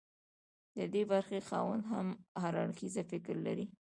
د ډي برخې خاوند هر اړخیز فکر لري.